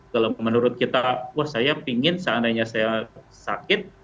kalau menurut kita wah saya pingin seandainya saya sakit